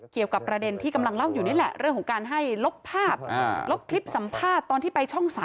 เกี่ยวกับประเด็นที่กำลังเล่าอยู่นี่แหละเรื่องของการให้ลบภาพลบคลิปสัมภาษณ์ตอนที่ไปช่อง๓